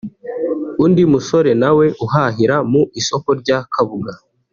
undi musore nawe uhahira mu isoko rya Kabuga